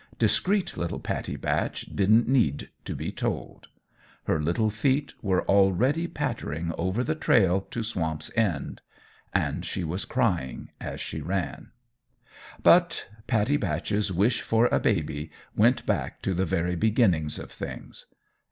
Discreet little Pattie Batch didn't need to be told! Her little feet were already pattering over the trail to Swamp's End; and she was crying as she ran. But Pattie Batch's wish for a baby went back to the very beginnings of things.